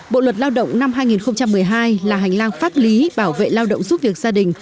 bộ luật lao động năm hai nghìn một mươi hai là hành lang pháp lý bảo vệ lao động giúp việc gia đình